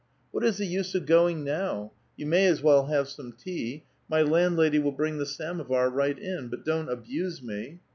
' What is the use of going now ? you may as well have some tea ; my landlady will bring the samovar right in. But don't abuse me.'